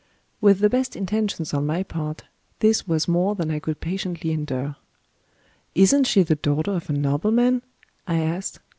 With the best intentions on my part, this was more than I could patiently endure. "Isn't she the daughter of a nobleman?" I asked.